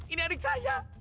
ini adik saya